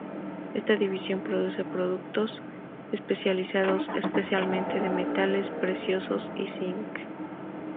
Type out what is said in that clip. Esta división produce productos especializados, especialmente de metales preciosos y zinc.